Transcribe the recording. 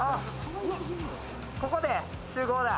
ここで集合だ。